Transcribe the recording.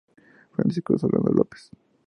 Francisco Solano López.